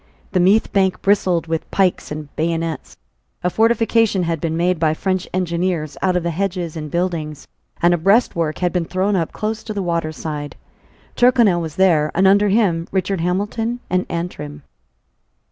The Meath bank bristled with pikes and bayonets. A fortification had been made by French engineers out of the hedges and buildings; and a breastwork had been thrown up close to the water side, Tyrconnel was there; and under him were Richard Hamilton and Antrim.